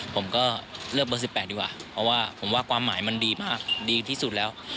ผมก็เลือกเบอร์๑๘ดีกว่าเพราะว่าผมว่าความหมายมันดีมากดีที่สุดแล้ว